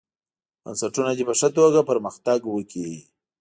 بنسټونه دې په ښه توګه پرمختګ وکړي.